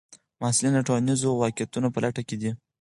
محصلین د ټولنیزو واقعیتونو په لټه کې دي.